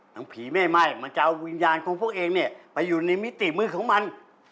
ผีแม่ไม้มันจะเอาวิญญาณของพวกเองเนี่ยไปอยู่ในมิติมือของมัน